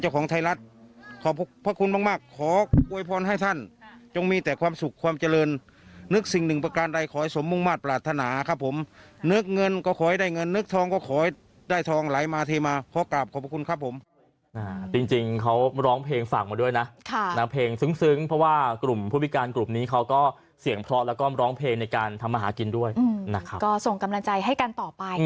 ขอบคุณมากขอโวยพรให้ท่านจงมีแต่ความสุขความเจริญนึกสิ่งหนึ่งประการได้ขอให้สมมุ่งมาตรปรารถนาครับผมนึกเงินก็ขอให้ได้เงินนึกทองก็ขอให้ได้ทองหลายมาทีมาขอกลับขอบคุณครับผมจริงเขาร้องเพลงฝากมาด้วยนะเพลงซึ้งเพราะว่ากลุ่มผู้พิการกลุ่มนี้เขาก็เสียงเพราะแล้วก็ร้องเพลงในการทำมหากินด้